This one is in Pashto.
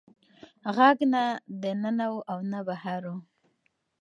غږ نه د ننه و او نه بهر و.